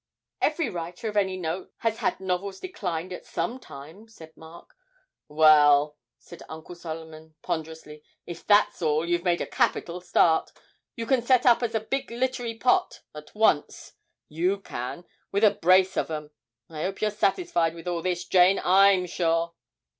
'Every writer of any note has had novels declined at some time,' said Mark. 'Well,' said Uncle Solomon, ponderously, 'if that's all, you've made a capital start. You can set up as a big littery pot at once, you can, with a brace of 'em. I 'ope you're satisfied with all this, Jane, I'm sure?'